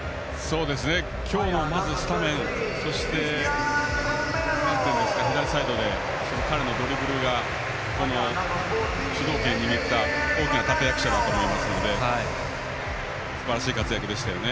今日は、まずスタメンそして左サイドで彼のドリブルが主導権を握った大きな立役者だったと思いますのですばらしい活躍でしたよね。